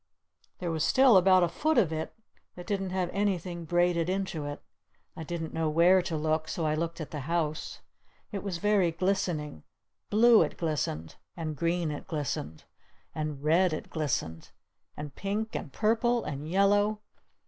There was still about a foot of it that didn't have anything braided into it. I didn't know where to look so I looked at the house. It was very glistening. Blue it glistened. And green it glistened! And red it glistened! And pink! And purple! And yellow!